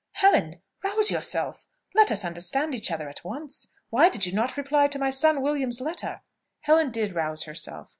Helen! rouse yourself. Let us understand each other at once. Why did you not reply to my son William's letter?" Helen did rouse herself.